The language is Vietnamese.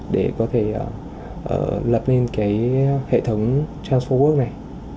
để có thể lập lên cái hệ thống trans bốn work này